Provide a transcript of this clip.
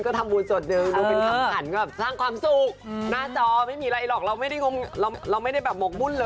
ก็ทำบูรณ์สดหนึ่งโดยเป็นคำขัน